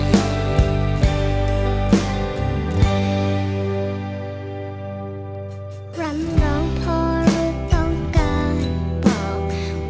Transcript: รันร้องพอหรือต้องการบอก